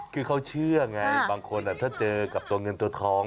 มันก็เชื่อก่อนบางคนถ้าเจอกับตัวเงินตัวทอง